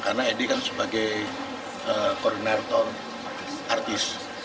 karena ed kan sebagai koordinator artis